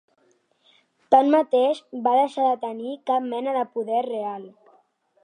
Tanmateix va deixar de tenir cap mena de poder real.